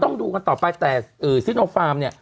ต้องดูกันต่อไปแต่ซินโนฟาร์ม